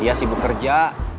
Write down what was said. dia sibuk kerja